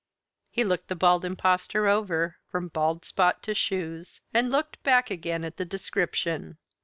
He looked the Bald Impostor over, from bald spot to shoes, and looked back again at the description.